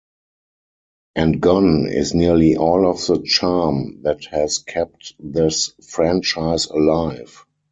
And gone is nearly all of the charm that has kept this franchise alive.